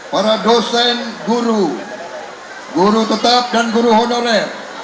para dosen guru guru tetap dan guru honorer